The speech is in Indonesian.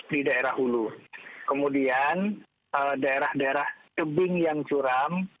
di daerah hulu kemudian daerah daerah tebing yang curam